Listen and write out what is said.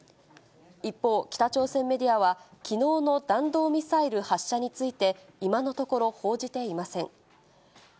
一方、北朝鮮メディアはきのうの弾道ミサイル発射について、今のところ報じていません。